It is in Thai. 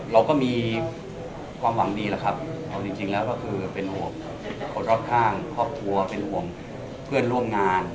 เราก็มีความหวังดีแหละครับเอาจริงแล้วก็คือเป็นห่วงคนรอบข้างครอบครัวเป็นห่วงเพื่อนร่วมงาน